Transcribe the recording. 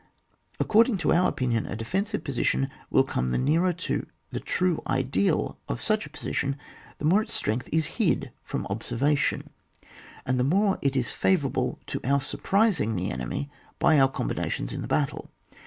According to our opinion, a defensive position will come the nearer to the true ideal of such a position the more its strength is hid from observation, and the more it is favourable to our surprising the enemy by our combinations in the battle.